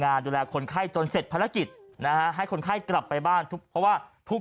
ดูแลคนไข้จนเสร็จภารกิจนะฮะให้คนไข้กลับไปบ้านทุกเพราะว่าทุก